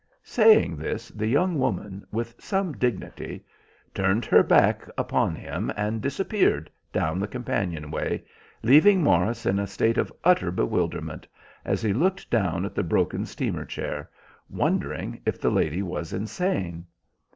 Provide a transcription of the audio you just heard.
Saying this, the young woman, with some dignity, turned her back upo him, and disappeared down the companion way, leaving Morris in a state of utter bewilderment as he looked down at the broken steamer chair, wondering if the lady was insane.